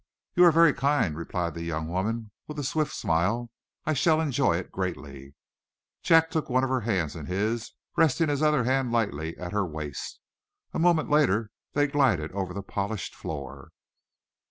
"You are very kind," replied the young woman, with a swift smile. "I shall enjoy it greatly." Jack took one of her hands in his, resting his other hand lightly at her waist. A moment later they glided over the polished floor.